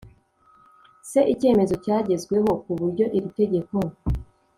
se icyemezo cyagezweho ku buryo iri tegeko